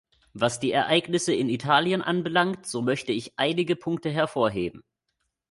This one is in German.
Was die Ereignisse in Italien anbelangt, so möchte ich einige Punkte hervorheben.